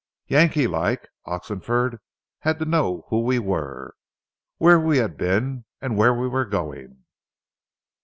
Yankeelike, Oxenford had to know who we were, where we had been, and where we were going.